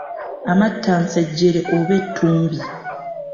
Amattansejjere oba ettumbi.